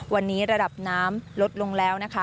วันนี้ระดับน้ำลดลงแล้วนะคะ